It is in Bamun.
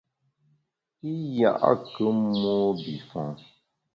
I ya’kù mobifon.